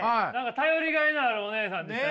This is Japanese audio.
頼りがいのあるお姉さんでしたね！